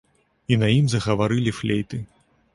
І на ім загаварылі флейты.